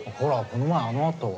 この前あのあと。